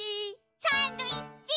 サンドイッチ！